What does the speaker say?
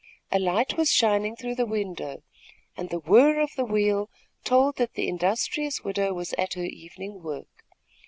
A light was shining through the window, and the whirr of the wheel told that the industrious widow was at her evening work.